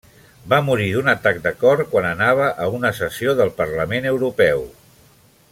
Va morir d'un atac de cor quan anava a una sessió del Parlament Europeu.